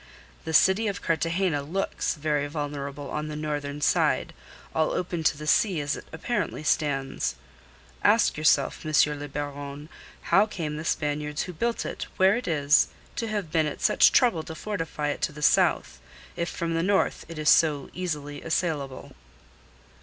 This city of Cartagena looks very vulnerable on the northern side, all open to the sea as it apparently stands. Ask yourself, M. le Baron, how came the Spaniards who built it where it is to have been at such trouble to fortify it to the south, if from the north it is so easily assailable."